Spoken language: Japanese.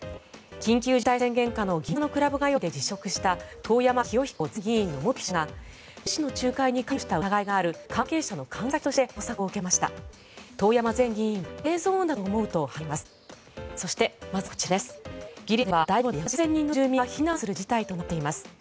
緊急事態宣言下の銀座のクラブ通いで辞職した遠山清彦前議員の元秘書らが融資の仲介に関与した疑いがある関係者の関係先として捜索を受けました。